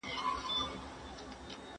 باغ ته دې تګ مناسب نه دی